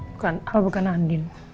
bukan bukan andin